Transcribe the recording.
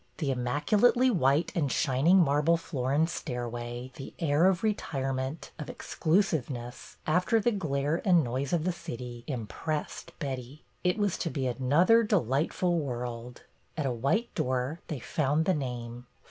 The immaculately white and shining marble floor and stairway, the air of retirement, of ex clusiveness, after the glare and noise of the city, impressed Betty. It was to be another delight ful world. At a white door they found the name.